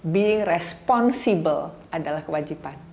being responsible adalah kewajiban